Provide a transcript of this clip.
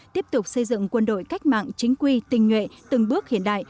tiếp tục xây dựng quân đội cách mạng chính quy tình nhuệ từng bước hiện đại